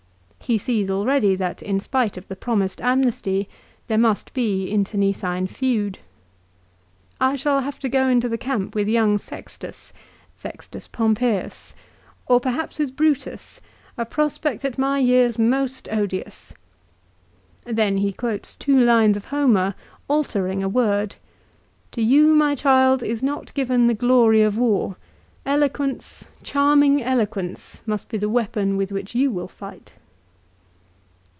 He sees already that, in spite of the promised amnesty, there must be internecine feud. " I shall have to go into the camp with young Sextus " Sextus Pompeius, " or perhaps with Brutus, a prospect at my years most odious." Then he quotes two lines of Homer, altering a word. " To you, my child, is not given the glory of war ; eloquence, charming eloquence, must be the weapon with which you will fight."